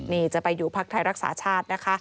นี่จะไปอยู่พักไทยรักษาชาตินะคะ